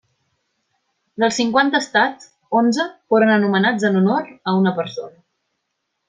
Dels cinquanta estats, onze foren anomenats en honor a una persona.